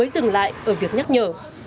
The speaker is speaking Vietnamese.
dừng lại ở việc nhắc nhở